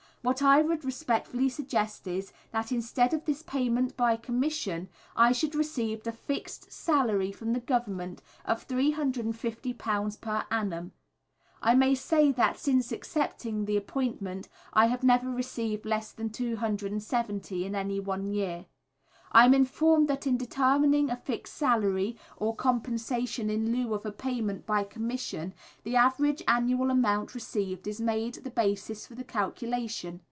What I would respectfully suggest is, that, instead of this payment by Commission, I should receive a fixed salary from the Government of £350 per annum. I may say that since accepting the Appointment I have never received less than £270 in any one year. I am informed that in determining a fixed Salary, or Compensation in lieu of a payment by Commission, the average annual amount received is made the basis for the calculation.